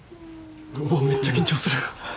うわめっちゃ緊張する。